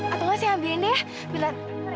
atau masih ambilin dia bila